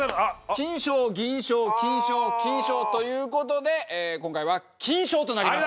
金賞銀賞金賞金賞という事で今回は金賞となります。